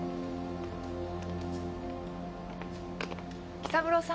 紀三郎さん。